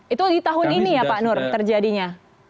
itu di tahun ini ya pak nur terjadinya